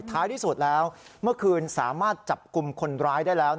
ท้ายที่สุดแล้วเมื่อคืนสามารถจับกลุ่มคนร้ายได้แล้ว